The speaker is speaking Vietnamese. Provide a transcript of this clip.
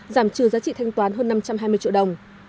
giảm trừ giá trị thanh toán hơn năm trăm hai mươi triệu đồng